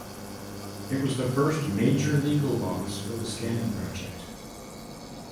It was the first major legal loss for the scanning project.